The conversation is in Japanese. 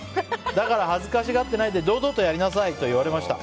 だから恥ずかしがっていないで堂々とやりなさいと言われました。